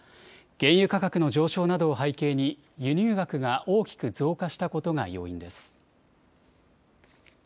原油価格の上昇などを背景に輸入額が大きく増加したことが要因です。